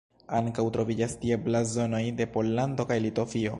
Ankaŭ troviĝas tie blazonoj de Pollando kaj Litovio.